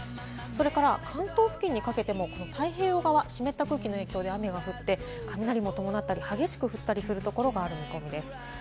それから関東付近にかけても太平洋側は湿った空気の影響で雨が降って雷を伴ったり、激しく降ったりするところがある見込みです。